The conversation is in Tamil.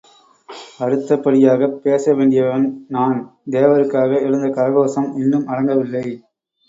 .. அடுத்தபடியாகப் பேசவேண்டியவன் நான் தேவருக்காக எழுந்தகரகோஷம் இன்னும் அடங்கவில்லை.